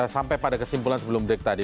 sampai pada kesimpulan sebelum break tadi